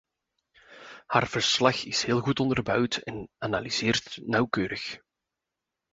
Haar verslag is heel goed onderbouwd en analyseert nauwkeurig.